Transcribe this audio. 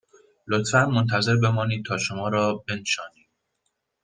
لطفاً منتظر بمانید تا شما را بنشانیم